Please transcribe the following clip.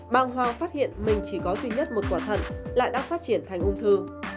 bàng hoàng phát hiện mình chỉ có duy nhất một quả thận lại đã phát triển thành ung thư